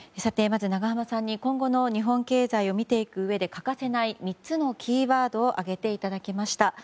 まず永濱さんに今後の日本経済を見ていくうえで欠かせない３つのキーワードを挙げていただきました。